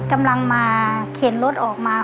กำลังมาเข็นรถออกมา